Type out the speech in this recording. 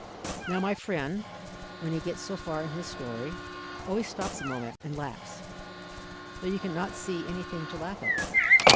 Now my friend, when he gets so far in his story, always stops a moment and laughs, though you can not see anything to laugh at.